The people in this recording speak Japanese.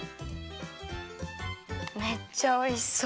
めっちゃおいしそう。